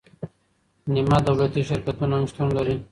نیمه دولتي شرکتونه هم شتون لري.